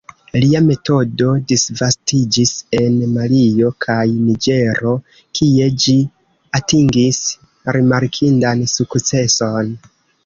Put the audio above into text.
Lia metodo disvastiĝis en Malio kaj Niĝero, kie ĝi atingis rimarkindan sukceson.